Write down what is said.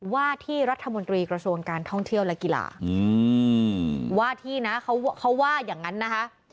ว่าที่รัฐมนตรีกระทรวงการท่องเที่ยวและกีฬาว่าที่นะเขาว่าอย่างนั้นนะคะ